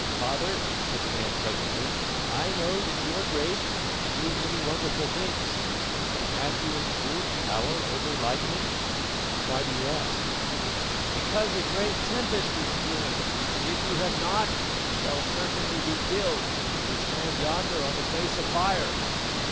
"Father," said the man presently, "I know that you are great, and can do many wonderful things, but have you in truth power over lightning?" "Why do you ask?" "Because a great tempest is brewing, and if you have not we shall certainly be killed when we stand yonder on the Place of Fire."